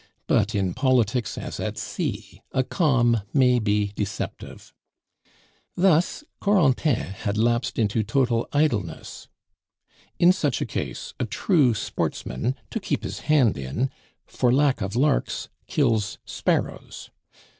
But in politics, as at sea, a calm may be deceptive. Thus Corentin had lapsed into total idleness. In such a case a true sportsman, to keep his hand in, for lack of larks kills sparrows.